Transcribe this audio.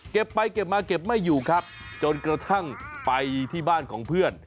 เก็บไปเก็บมาเก็บไม่อยู่ครับจนกระทั่งไปที่บ้านของเพื่อน